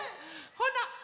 ほな。